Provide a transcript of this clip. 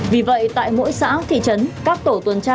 vì vậy tại mỗi xã thị trấn các tổ tuần tra